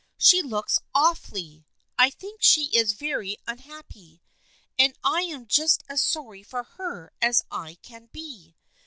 She looks awfully. I think she is very un happy, and I am just as sorry for her as I can be.